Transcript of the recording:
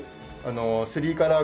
スリーカラー